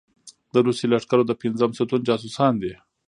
د روسي لښکرو د پېنځم ستون جاسوسان دي.